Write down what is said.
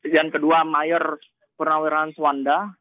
dan kedua mayor purnaweran suwanda